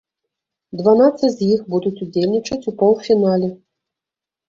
Дванаццаць з іх будуць удзельнічаць у паўфінале.